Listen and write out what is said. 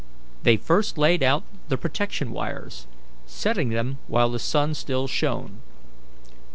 They first laid out the protection wires, setting them while the sun still shone.